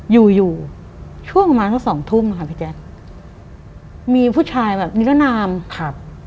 อยู่ช่วงมาสัก๒ทุ่มนะคะพี่แจ๊คมีผู้ชายนิลนาม